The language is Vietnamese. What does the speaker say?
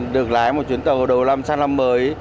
được lái một chuyến tàu đầu năm sang năm mới